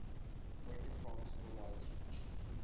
Bring your problems to the wise chief.